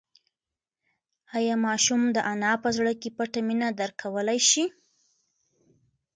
ایا ماشوم د انا په زړه کې پټه مینه درک کولی شي؟